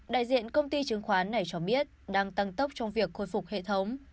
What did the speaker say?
đại diện công ty chứng khoán này cho biết đang tăng tốc trong việc khôi phục hệ thống